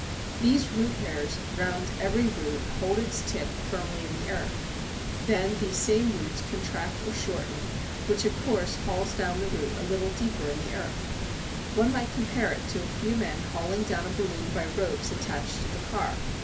These root hairs round every root hold its tip firmly in the earth; then these same roots contract or shorten, which of course hauls down the root a little deeper in the earth. One might compare it to a few men hauling down a balloon by ropes attached to the car.